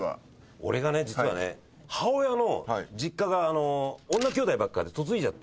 俺がね実はね母親の実家が女きょうだいばっかで嫁いじゃって。